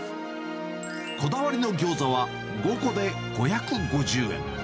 こだわりのギョーザは、５個で５５０円。